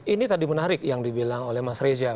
ini tadi menarik yang dibilang oleh mas reza